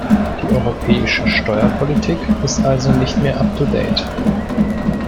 Die europäische Steuerpolitik ist also nicht mehr up to date.